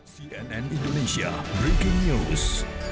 cnn indonesia breaking news